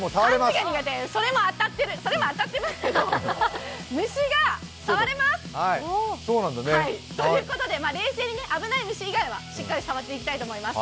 漢字が苦手、それも当たってますけど、虫が触れます！ということで、冷静に危ない虫以外はしっかり触っていきたいと思います。